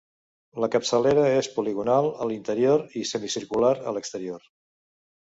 La capçalera és poligonal a l'interior i semicircular a l'exterior.